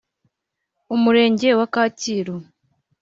Umurenge wa Kacyiru